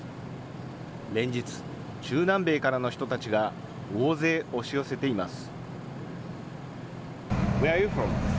連日、中南米からの人たちが大勢押し寄せています。